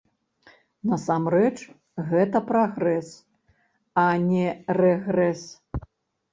Насамрэч, гэта прагрэс, а не рэгрэс.